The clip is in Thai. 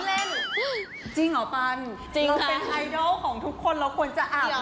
เราเป็นไอดอลของทุกคนเราควรจะอาบน้ำ